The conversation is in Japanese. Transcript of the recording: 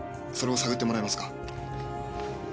それを探ってもらえますか？